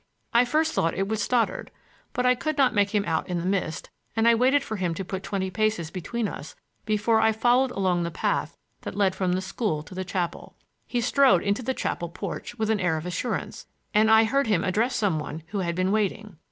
I first thought it was Stoddard, but I could not make him out in the mist and I waited for him to put twenty paces between us before I followed along the path that led from the school to the chapel. He strode into the chapel porch with an air of assurance, and I heard him address some one who had been waiting.